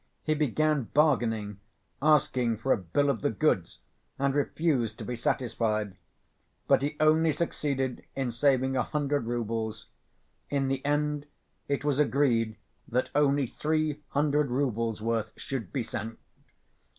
He began bargaining, asking for a bill of the goods, and refused to be satisfied. But he only succeeded in saving a hundred roubles. In the end it was agreed that only three hundred roubles' worth should be sent.